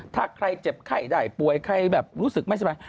ถ้าใครเจ็บไข้ได้ป่วยใครแบบรู้สึกไม่สบาย